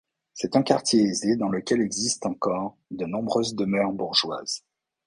C'est un quartier aisé dans lequel existent encore de nombreuses demeures bourgeoises.